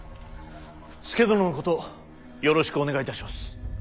佐殿のことよろしくお願いいたします。